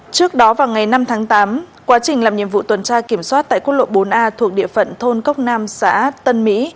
trước đó vào ngày năm tháng tám quá trình làm nhiệm vụ tuần tra kiểm soát tại quốc lộ bốn a thuộc địa phận thôn cốc nam xã tân mỹ